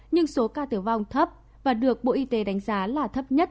nhưng số ca tử vong thấp và được bộ y tế đánh giá là thấp nhất